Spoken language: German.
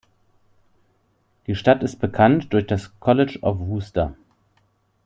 Die Stadt ist bekannt durch das College of Wooster.